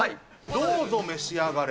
どうぞ召し上がれ。